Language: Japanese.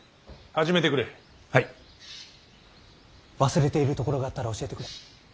忘れているところがあったら教えてくれ。